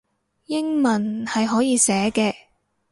英文係可以寫嘅